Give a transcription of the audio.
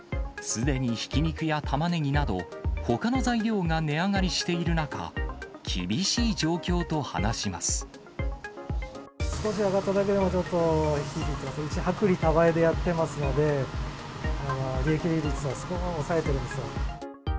すでにひき肉やたまねぎなど、ほかの材料が値上がりしている中、少し上がっただけでもちょっと、うち、薄利多売でやってますので、利益率はすごく抑えてるんです。